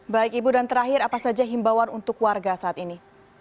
baik ibu dan terakhir apa saja himbawan untuk warga saat ini